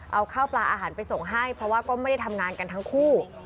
เอาข้าวปลาอาหารไปส่งให้เพราะว่าก็ไม่ได้ทำงานกันทั้งคู่